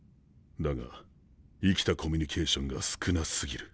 だが生きたコミュニケーションが少なすぎる。